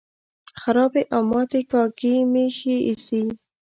خرابې او ماتې کاږي مې ښې ایسي.